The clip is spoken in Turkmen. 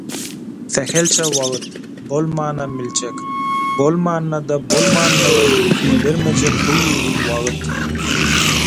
Sähelçe wagt. Bolmanam biljek, bolmanda-da bolmandygy bildirmejek suw ýuwdum wagt.